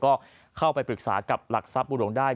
ก็เข้าไปปรึกษากับหลักทรัพย์บุหลวงได้